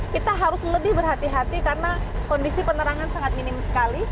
kita harus lebih berhati hati karena kondisi penerangan sangat minim sekali